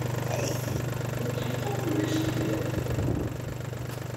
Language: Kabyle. Tetḥeqqemt ulac tifrat?